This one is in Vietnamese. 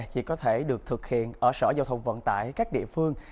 chỉ có thể được thực hiện ở sở giao thông vận tải các địa phương